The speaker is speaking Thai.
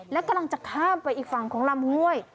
และกำลังจะข้ามไปอีกฝั่งของลำห้วย